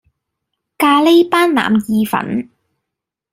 咖哩班腩意粉